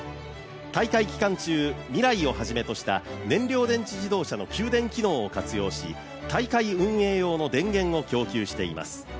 大会期間中、ＭＩＲＡＩをはじめとした燃料電池自動車の給電機能を活用し大会運営用の電源を供給しています。